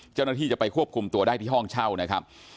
เจ้าหน้าที่จะไปควบคุมตัวได้ที่ห้องเช่านะครับ